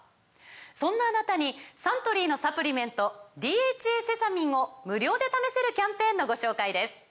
そんなあなたにサントリーのサプリメント「ＤＨＡセサミン」を無料で試せるキャンペーンのご紹介です